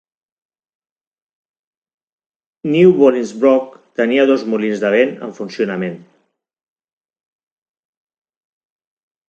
New Bolingbroke tenia dos molins de vent en funcionament.